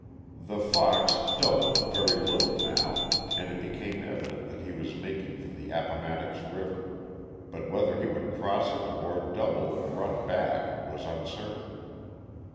The fox "doubled" very little now, and it became evident that he was making for the Appomattox River, but whether he would cross it or double and run back was uncertain.